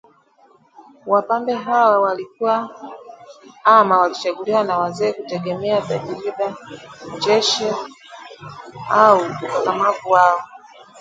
Wapambe hawa walikuwa ama walichaguliwa na wazee kutegemea tajriba, ucheshi au ukakamavu wao